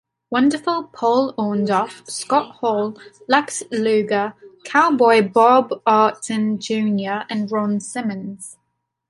Wonderful" Paul Orndorff, Scott Hall, Lex Luger, "Cowboy" Bob Orton Junior, and Ron Simmons.